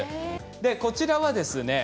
でこちらはですね